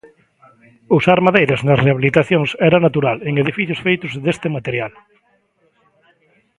Usar madeira nas rehabilitacións era natural en edificios feitos deste material.